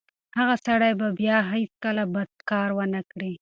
هغه سړی به بیا هیڅکله بد کار ونه کړي.